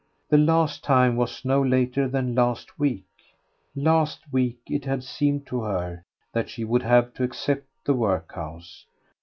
The last time was no later than last week. Last week it had seemed to her that she would have to accept the workhouse.